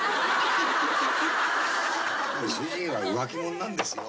主人は浮気者なんですよ。